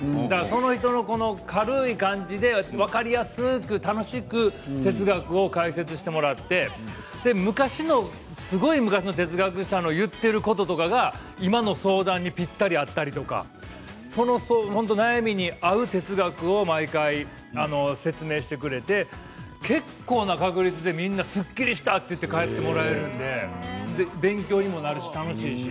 その人の軽い感じで分かりやすく楽しく哲学を解説してもらって昔のすごい昔の哲学者の言っていることとかが今の相談にぴったり合ったりとか悩みに合う哲学を毎回、説明してくれて結構な確率でみんなすっきりしたと言って帰ってもらえるので勉強にもなるし楽しいし。